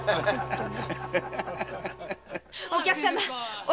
お客様